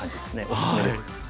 おすすめです。